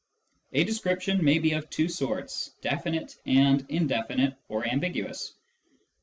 A " description " may be of two sorts, definite and indefinite L (or ambiguous).